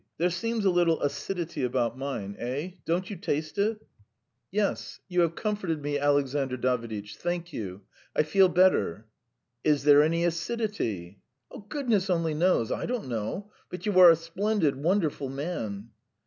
... There seems a little acidity about mine. Eh? Don't you taste it?" "Yes. You have comforted me, Alexandr Daviditch. Thank you. ... I feel better." "Is there any acidity?" "Goodness only knows, I don't know. But you are a splendid, wonderful man!"